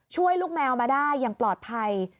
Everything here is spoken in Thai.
ช่วยลูกแมวมาได้อย่างปลอดภัย